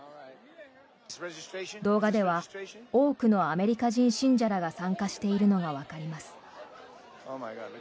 動画では多くのアメリカ人信者らが参加しているのがわかります。